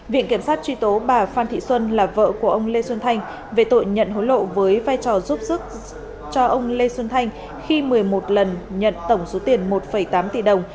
viện kiểm sát truy tố bà phan thị xuân là vợ của ông lê xuân thanh về tội nhận hối lộ với vai trò giúp sức cho ông lê xuân thanh khi một mươi một lần nhận tổng số tiền một tám tỷ đồng